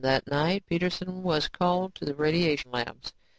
that night, Peterson was called to the radiation labs.